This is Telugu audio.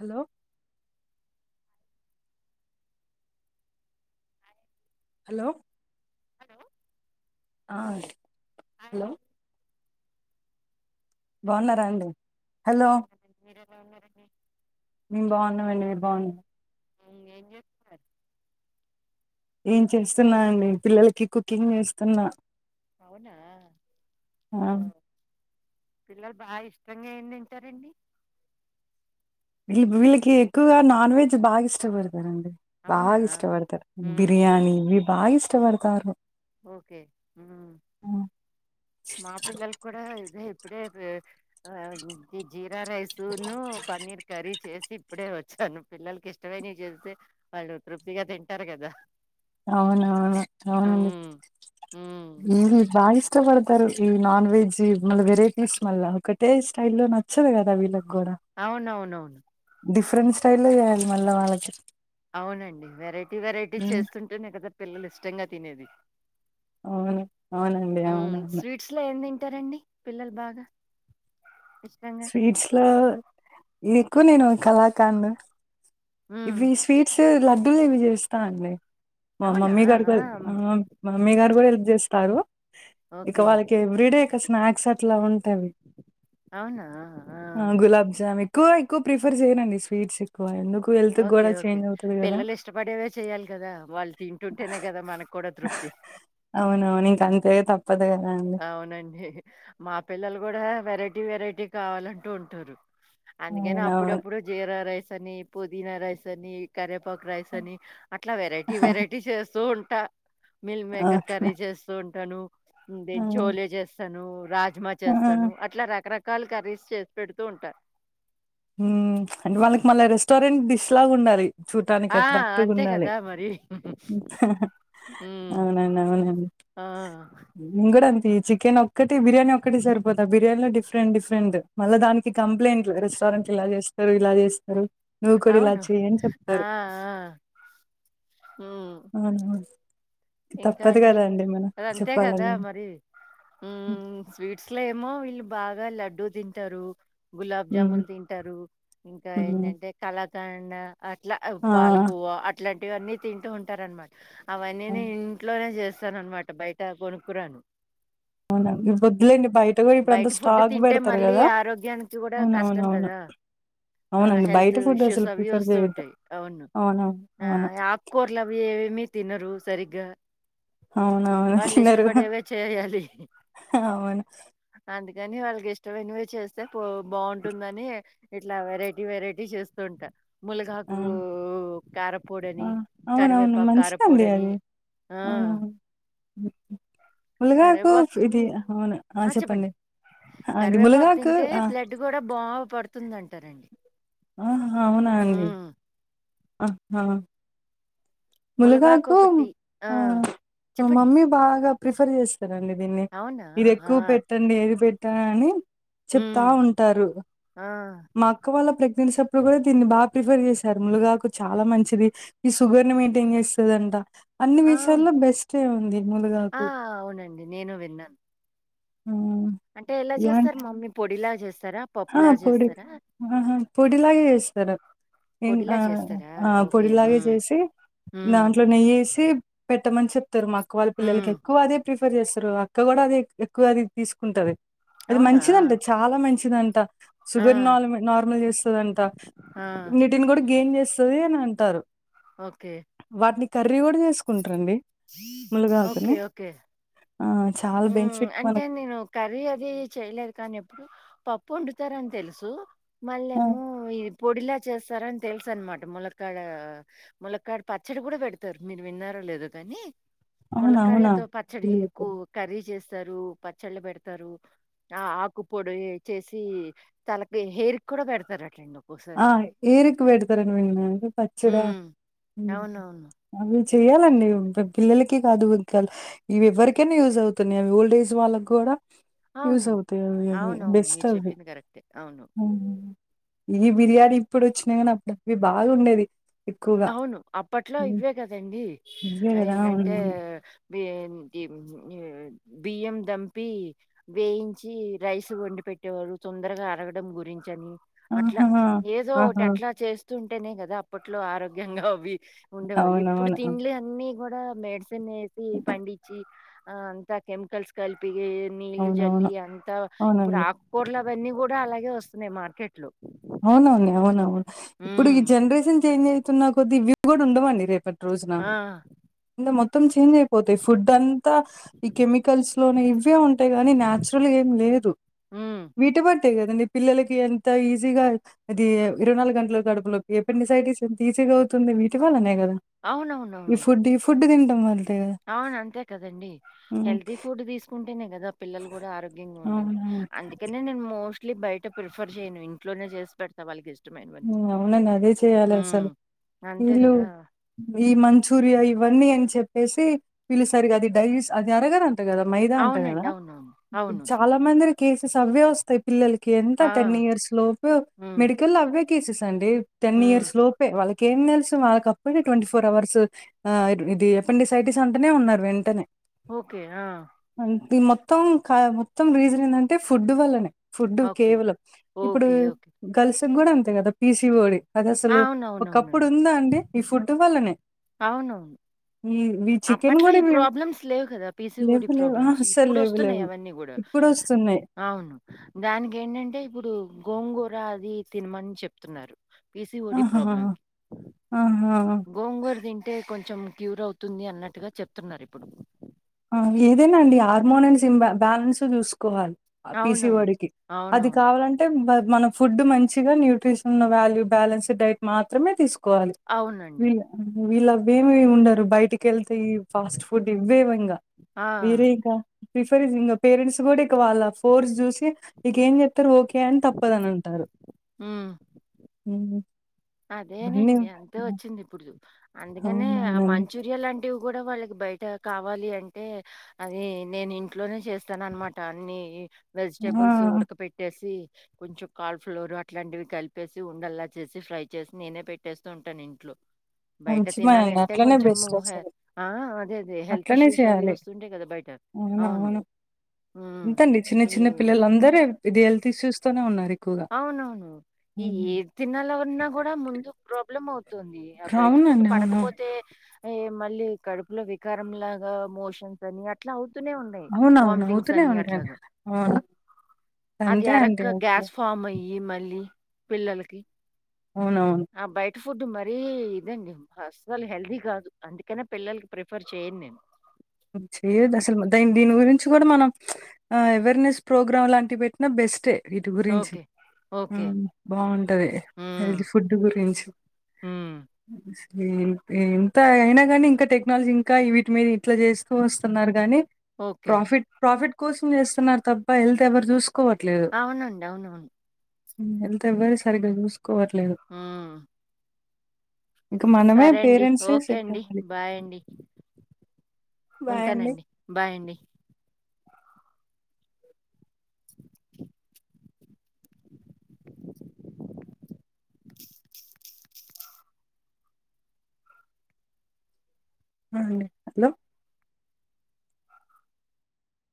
హలో హలో హలో ఆ అండి హాయ్ హలో అండి హలో బాగున్నారా అండి హలో బాగున్నానండి [unintelligible] మేం బాగున్నామండి మీరు బాగున్నార అ ఏం [unintelligible] ఏం చేస్తున్నా అండి, పిల్లలకి కుకింగ్ చేస్తున్నా. అవునా ఆ ఓ పిల్లలు బాగా ఇష్టంగా ఏం తింటరండి? వీ వీళ్ళకి ఎక్కువగా నాన్ వెజ్ బాగా ఇష్టపడు తరుఅండి బాగా అవునా ఇష్టపడతరు. ఉమ్ బిర్యానీ ఇవి బాగా ఓ ఇష్టపడతారు. ఓకే ఆ మా పిల్లలు కూడా ఇదే ఇప్పుడే ఆ జీ బగార రైస్ ఉన్ను పన్నీర్ కర్రీ చేసి ఇప్పుడే వచ్చాను పిల్లలకి ఇష్టమైనయి చేస్తే వాళ్ళు తృప్తిగా తింటారు కదా. అవునవును అవునండి ఉమ్ ఉమ్ [unintelligible] బాగా ఇష్టపడతారు, ఈ నాన్ వెజ్ మళ్ళ వెరైటీస్ మళ్ళా. ఒకటే స్టైల్ లో నచ్చదు కదా వీళ్ళ అవునవునవును. డిఫరెంట్ స్టైల్లో లో చేయాలి మళ్ళా వాళ్ళకి. అవునండి వెరైటీ వెరైటీ ఉమ్, చేస్తుంటేనే కదా పిల్లలు ఇష్టంగా తినేది. అవును అవునండి అవునవును స్వీట్స్ లో ఎం తిం టరండి పిల్లలు బాగా. ఇష్టంగా? స్వీట్స్ లో ఎక్కువ నేను కళాకాండ్. హ్మ్. ఇవి స్వీట్స్ లడ్డులు ఇవి చేస్తా అండి. మా అవునా! మమ్మీ గారు కూడా ఆ హ్మ్. మమ్మీ గారు కూడా హెల్ప్ చేస్తారు. ఇక ఓకే. వాళ్ళకి ఎవ్రీ డే ఇక స్నాక్స్ అట్లా ఉం టవి అవునా! ఆ గులాబ్ జామ్ ఎక్కువా ఎక్కువ ప్రిఫర్ చేయ్యనండి స్వీట్స్ ఎక్కువ ఎందు ఓకే ఓకే పిల్లలు ఇష్టపడేవే చెయాలి కదా. వాళ్ళు తింటుంటేనే కదా మనకు కూడా తృ ప్తి అవునవును ఇంక అంతే కద్ అవునండి మా పిల్లలు కూడా వెరైటీ వెరైటీ కావాలంటూ ఉంటారు. అందుకనే అవునవును అప్పుడప్పుడు జీర రైస్ అని, పుదీనా రైస్ అని, కరే పాక్ రైస్ అని అట్లా వెరైటీ వెరైటీస్ చేస్తూ ఉంటా. మిల్క్ మేకర్ అవును కర్రీ చేస్తూ ఉంటాను, ఇది ఆ చోలే చేస్తాను, రా జ్మా ఆ చేస్తాను అట్లా రకరకాల కర్రీస్ చేసి పెడుతూ ఉంటా. ఉ అంటే వాళ్ళకి మళ్ళీ రెస్టారెంట్ డిష్ లాగా ఉండాలి. చూటానికి ఆ! అట్రాక్టివ్గా అంతే ఉండాలి. కదా మరి. హ్మ్. అవునండి, అవునండి. ఆ నేను కూడా అంతే ఈ చికెన్ ఒక్కటి బిర్యాని ఒక్కటి సరిపోదు. ఆ బిర్యానీలో డిఫరెంట్ డిఫరెంట్ మళ్ళా దానికి కంప్లైంట్లు రెస్టారెంట్ ఇలా చేస్తరు, ఇలా చేస్తరు. నువ్వు కూడా ఇలా అవును. చెయ్యని ఆ! చెప్తరు. ఆ! హ్మ్. అవునా ఇంకా అండి అది అంతే కదా చెప్పాలండి ఉమ్ మరి. ఉ స్వీట్స్ల ఏమో వి ళ్ళుబాగా లడ్డూ తింటరు, గులా జామున్ తింటరు ఇంకా ఉమ్ ఏందంటే కళా కాండ అట్లా ఆ పాలకోవ అట్లాంటివి అన్నీ తింటూ ఉంటారు అనమాట. ఆ నేను ఇంట్లోనే చేస్తాను అనమాట బయట కొనుక్కురాను. అవునా వద్దులేండి. బయట కూడా ఇప్పుడు అంతా బయటి ఫుడ్ స్టాక్ తింటే పెడతారు మళ్ళీ కదా ఆరోగ్యానికి కూడా కష్టం అవునవునవును కదా. ఆ అవునండి హెల్త్ బయట ఫుడ్ ఇష్యూస్ అసలు అవి ప్రిఫర్ వస్తూ చేయొద్దు ఉంటయి అవును. అవునవును ఆ అవును ఆకు కూరలు అవి ఏమి తినరు సరిగ్గా. అవునవును వాళ్ళు తినరు ఇష్టపడేవే చేయాలి అవును అందుకని వాళ్ళకి ఇష్టం ఎన్వి చేస్తే పో బాగుంటుందని ఇట్లా వెరైటీ వెరైటీ చేస్తుూంటారు ములగాకు ఆ ఆ కారపూడని అవునవును కరివేపాకు మంచిదండి కారపూడని ఆ ముల్గాకు ఇది అవును ఆ బట్ చెప్ప కరివేపాకు తింటే ఆ బ్లడ్ గుడా బాగ్ పడుతుంది అంటారండి హ్హ్ అవునా అండి ఆహా ములగాకు ములుగాకు ఒకటి ఆ మా చెప్పండి మమ్మీ బాగా ప్రిఫర్ చేస్తదండి దీన్ని అవునా ఇది ఆ ఎక్కువ పెట్టండి ఏది పెట్టాను అనీ చెప్తా ఉమ్ ఉంటారు ఆ మా అక్క వాళ్ళ ప్రెగ్నెన్సీ అప్ ఇప్పుడు గుడా దీన్ని బాగా ప్రిఫర్ చేసారు ములుగాకు చాలా మంచిది ఇది షుగర్ ని ఏం చేస్తాదంట అ అన్ని అవును విషయాల్లో బెస్టే ఉంది ఆ ములుగాకు అవునండి నేను విన్నాను అంటే ఎలా చేస్తారు మమ్మీ పొడిలా చేస్తా ఆ పొడి ఆహా పొడిలాగ చేస్తారు ఇన్ పొడిలా ఆ చేస్తారా ఆ ఓకే. పొడిలాగ హ్మ్. చేసి హ్మ్. దాంట్లో నెయ్యేసి పెట్టమని చెప్తారు మా అక్క వాళ్ళ పిల్లలకి హ్మ్. ఎక్కువ అదే ఫ్రీఫ్ ర్ చేస్తారు అక్క గుడా అది ఎ ఎక్కువ అది తీసుకుంటది అది అవునా! మంచిదంట చాలా మంచిదంట ఆ! షుగర్ నాల్మల్ నార్మల్ చేస్తదంట ఆ! వీటిని గుడా గెయిన్ చేస్తది అని అంటారు ఓకే వాటిని కర్రీ గుడా చేేసుకున్ ఓకే ఓకే ఆ చాలా ఉ బెనిఫిట్ అంటే మనకి నేను కర్రీ అది చేయలేదు కానీ ఎప్పుడు పప్పు వండుతారని తెలుసు ఆ మళ్ళేమో ఇది ప్ పొడిలా చేస్తారని తెల్సనమాట ములక్కడ ఆ ములక్కాడ పచ్చడి గుడా బెడుతరు మీరు విన్నారా లేదు కానీ అవునా అవునా ములకాళ్ళతో పచ్చడి ఇ కూ తెలియట్లేదు. కర్రీ చేస్తారు పచ్చళ్ళు బేడుతారు ఆ ఆకుపొడి ఏ చేసి తలకి హెయిర్ కూడా బెడుతారాటండో ఆ ఏరుకి బెడుతరని విన్న పచ్చడా హ్మ్. అ అవునవును. ఆ వి చెయ్యాలండి పి పి పిల్లలకి కాదు ఇంక హ్ ఇవి ఎవరికైనా యూజ్ అవుతున్నాయి అవి ఓల్డ్ ఏజ్ వాళ్ళకి కూడా యూస్ అవును. అవుతయి అవి అవి అవునవును. బెస్ట్ మీరు అవ్వి చెప్పింది కరెక్టే. అవును. ఇది బిర్యానీ ఇప్పుడు వొచ్చినాయి కానీ అప్పుడు అవి బాగుండేది ఎక్కువగా. అవును అప్పట్లో హ్మ్. ఇవ్వే గదండి ఇవే గదా! ఏంటంటే అవునవును. బియ్యమ్ కీ ఇమ్ నిమ్ బియ్యం దంపి వేయించి రైస్ వండిపే పెట్టేవడు తొందరగా అరగడం గురించి అని అట్ల ఆహా! ఏదో ఒకటి ఆహా! అట్ల చేస్ ఉంటేనే గదా అప్పట్లో ఆరోగ్యంగా హా అవి ఉండేవాళ్ళు ఇప్పుడు అవునవును. తింలే అన్ని కూడా మెడి తినేది పండిచ్చి ఆ అంతా కెమికల్స్ కలిపి ఏ నీళ్లు జల్లి అవునవును. అంతా ఇప్పుడు అవునండి. ఆకుకూరలు అవన్నీ గుడా అలాగే వొస్తున్నాయి మార్కెట్ లో అవునా అండి అవునవును ఇప్పుడు ఈ హ్మ్. జెన్రేషన్ చేంజ్ అయితున్న కొద్ది ఇవ్వి గుడా ఉండవండి రేపటి ఆఅ ఇంద మొత్తం చేంజ్ అయిపోతయి ఫుడ్ అంతా ఈ కెమికల్స్ లోనే ఇవ్వే ఉంటయి గా కానీ నాచురల్ ఏం లేదు హ్మ్. వీటి బట్టే గద నీ పిల్లలకి ఎంత ఇజ్ ఈజీగా అ అది ఇరవై నాలుగు గంటలు కడుపులోకి ఏపెండిసైటిస్ ఎంత ఈజీగా అవుతుంది వీటి వల్లనే గదా ఈ అవునవునవును. ఫుడ్ ఈ ఫుడ్ తింటం వల్ల అవును అంతే కదండి హెల్తీ ఫుడ్ తీసుకుంటేనే గదా పిల్లలు గుడా ఆరోగ్యంగా ఉండేది అవునవును. అందుకనే నేను మో మోస్ట్లీ బయట ప్రిఫర్ చేయనివి ఇంట్లోనే చేసి పెడుత వాళ్ళకి ఇష్ మ్ అవునండి అదే చెయాలి అసలు అంతే వీళ్ళు గదా! ఈ మంచూరియా ఇవన్నీ అని చెప్ వేసి పిల్లిసరిగా అది డైస్ అది అరగదు ట గదా మైదా అంట గదా అవునండి. అవునవును. అవును. చాలా మంది కేసెస్ అవ్వే వస్తాయి పిల్లలకి ఎంత ఆ! టెన్ ఇయర్స్ లోపు హ్మ్. మెడికల్లో అవ్వే కేసెస్ అండి టెన్ హ్మ్. ఇయర్స్ లోపే వళ్ళకి కేం తెల్సు వాళ్ళకప్పుడే ట్వంటీ ఫోర్ అవర్స్ ఆ ఇటు ఇది ఎఫెండిసైటిస్ అంటనే ఉన్నరు వెంటనే ఓకే ఆ ఇది మొత్తం మొత్తం రీజన్ ఏంటంటే ఫుడ్ వల్లనే ఫుడ్ ఓకే. కేవలం ఇప్పుడు ఓకే. ఓకే. గల్స్ కూడా అంతే కదా పీసిఓడి అది ఆ! అసలు ఒకప్పుడు ఉందా అండి ఈ ఫుడ్ వల్లనే అవును ఈ ఈ చికెన్ అప్పట్లా గూడా ఈ ఇవి ప్రాబ్లమ్స్ లేవు కదా పీసిఓడి లేవు లేవు. ఆ! ప్రాబ్లమ్స్ అస్సలు ఇప్పుడు లేవు వస్తున్నాయి లేవు. అవన్నీ కూడా ఇప్పుడొస్తున్నాయి. అవును దానికి ఏంటంటే ఇప్పుడు గోంగోలు అది తినమని చెప్తున్నారు పీసీఓడీ ఆహాహా ప్రాబ్లమ్‌కి. అవునా గోంగూర తింటే కొంచెం క్యూర్ అవుతుంది అన్నట్టుగా చెప్తున్నారు ఇప్పుడు ఏదేనాండి హార్మోనన్స్ ఇబ బ్యాలెన్స్ చూసుకోవాలి అవునవును. పీసీవాడికి అది అవునవును. కావాలంటే మన ఫుడ్ మంచిగా న్యూట్రిషన్ వ్యాల్యూ బ్యాలెన్స్డ్ డైట్ మాత్రమే తీసుకో కోవాలి అవునండి. ఇగ వీళ అవేమి ఉండరు బయటికి వెళ్తే ఈ ఫాస్ట్ ఫుడ్ ఇవ్వేవి ఇంకా ఆ! వేరే ఇంకా ప్రిఫర్ ఇంకా పేరెంట్స్ కూడా ఇక వాళ్ళ ఫోర్స్ చూసి ఇక ఏం చెప్తారు ఓకే అని తప్పదని అంటారు ఊ ఉ అదేనండి అంతే వచ్చింది ఇప్పుడు అందుకనే ఆ అవునవునండి. మంచూరియ లాంటివి కూడా వాళ్ళకి బయట కావాలి అంటే అది నేను ఇంట్లోనే చేస్తాను అనమాటన్ని ఆ! వెజిటబుల్స్ ఉడక పెట్టేసి కొంచెం కాల్ ఫ్లోర్ అట్లాంటివి కలిపేసి ఉండల్లా చేసి ఫ్రై చ్చేసి నేనే పెట్టేస్తూ ఉంటాను ఇంట్లో బయట మంచి మ తినాలి అండి. అంటే అట్లనే కొంచెం బెస్ట్ అసలు. ఆ అదే అదే హెల్త్ అట్లనే ఇష్యూస్ అవి చేయాలి. వస్తుంటాయి కదా బయట అవును. అవునవును హ్మ్. ఎంతండి చిన్న చిన్న ఈ పిల్లలు అందర విద హెల్త్ ఇష్యూస్ తో ఉన్నారు ఎక్కువగా. అవునవును ఈ హ్మ్. తినాలవర్న్నా కూడాడా ముందు ప్రాబ్లమ్ అవుతు తుంది ఆ బయట ఫుట్టు అవునండి అవును. పడకపోతే మళ్ళీ కడుపులో వికారం లాగా మోషన్స్ అని అట్లా తూనే వున్నాయ్ అవునవును వాటింగ్స్ అవుతూనే అని అట్లా ఉంటాయండి. అవును అది అంతే అరక్క అండి గ అసలు. అమ్మో ఏ మళ్ళీ పిల్లలకి అవునవును టి ఫుడ్ మరీ ఇదండి అస్సలు హెల్దీ కాదు అందుకనే పిల్లలకి ప్రిఫర్ చేయను నేను చెయదు అసలు ద దీని గురించి కూడా మనం ఆ అవేర్నెస్ ప్రోగ్రామ్ లాంటివి పెట్టిన బెస్టే వీటి గురించి ఓకే. ఓకే. అవును బాగుంటది హ్మ్. హెల్తీ ఫుడ్ గురించి హ్మ్. ఎంత ఎంత అయినా కాని ఇంకా టెక్నాలజీ ఇంకా వీటి మీద ఇట్లా చేస్తూ వస్తున్నారు కాని ఓకే. ప్రాఫిట్ ప్రాఫిట్ కోసం చేస్తున్నారు తప్ప హెల్త్ ఎవరు చూసుకో అవునండి అవునవును హెల్త్ ఎవ్వరు సరిగ్గా చూసుకోవర్లేదు హ్మ్. సరే అండి ఓకే సెట్ అండి అవ్వాలి బాయ్ అండి బాయ్ అండి ఉంటానండి బాయ్ అండి అ అండి హలో